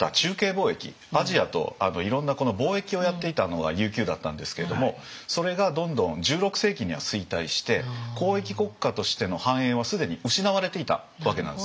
貿易アジアといろんな貿易をやっていたのが琉球だったんですけれどもそれがどんどん１６世紀には衰退して交易国家としての繁栄はすでに失われていたわけなんですね。